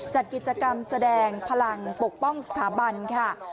จัดกิจกรรมแสดงพลังปกป้องสถาบันค่ะ